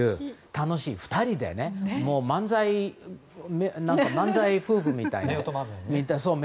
楽しい２人で漫才夫婦みたいな。